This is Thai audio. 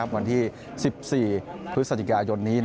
วันที่๑๔พฤศจิกายนนี้